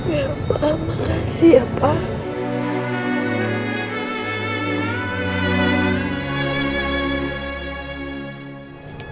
ya pak makasih ya pak